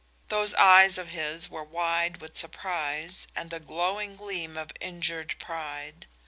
Those eyes of his were wide with surprise and the glowing gleam of injured pride.